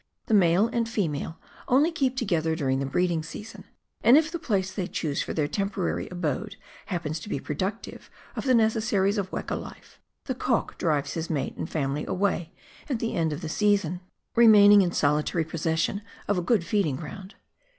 The male and female only keep together during the breeding season, and if the place they choose for their temporary abode happens to be productive of the necessities of weka life, the cock drives his mate and family away at the end of the season, remaining in solitary possession of a good feeding ground.